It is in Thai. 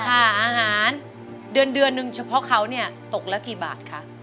ค่าอาหารเดือนนึงเฉพาะเขาเนี่ยตกแล้วกี่บาทค่ะ